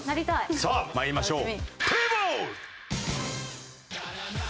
さあ参りましょう。